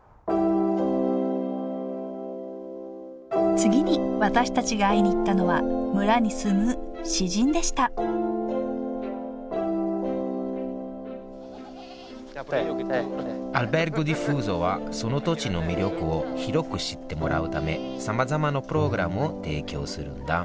次に私たちが会いに行ったのは村に住む詩人でしたアルベルゴ・ディフーゾはその土地の魅力を広く知ってもらうためさまざまなプログラムを提供するんだ。